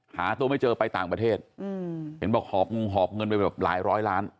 หาตัวไม่เจอไปต่างประเทศเห็นบอกหอบงหอบเงินไปแบบหลายร้อยล้าน